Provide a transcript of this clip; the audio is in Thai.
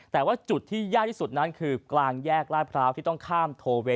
แต่ว่าจุดที่ยากที่สุดนั้นคือกลางแยกลาดพร้าวที่ต้องข้ามโทเว